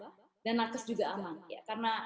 kasusnya bisa ditekan narkisnya juga semakin bisa berkegiatan